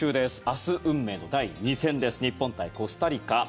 明日、運命の第２戦です日本対コスタリカ。